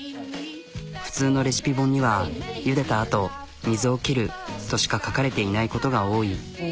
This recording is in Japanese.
普通のレシピ本にはゆでたあと水を切るとしか書かれていないことが多い。